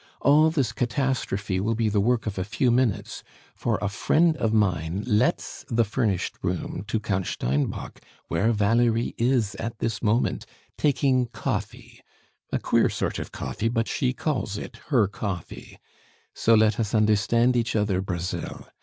All this catastrophe will be the work of a few minutes, for a friend of mine lets the furnished room to Count Steinbock where Valerie is at this moment taking coffee a queer sort of coffee, but she calls it her coffee. So let us understand each other, Brazil!